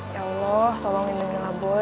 ya allah tolong lindungi lah boy